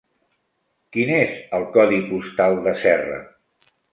Quin és el codi postal de Serra?